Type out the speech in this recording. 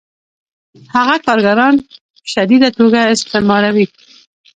هغه کارګران په شدیده توګه استثماروي